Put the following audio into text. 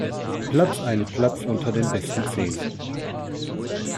Platz einen Platz unter den besten Zehn.